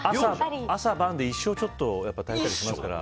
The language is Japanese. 朝晩で一升炊いたりしますから。